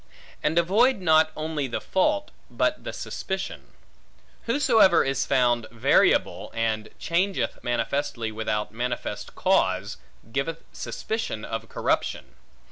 And avoid not only the fault, but the suspicion. Whosoever is found variable, and changeth manifestly without manifest cause, giveth suspicion of corruption.